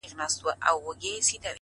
ما په ژړغوني اواز دا يــوه گـيـله وكړه.!